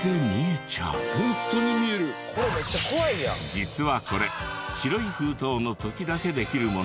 実はこれ白い封筒の時だけできるもので。